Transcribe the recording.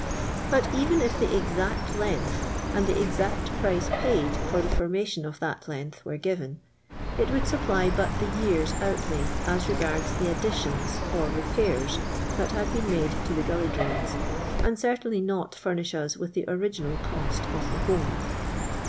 But even if the exact length, and the exact price paid for the formation of that length, were given, it would supply but tkt year's outlay as regards the additions or repairs that had been made to the gully drains, and certainly not furnish us ^ith the original cost of the whole.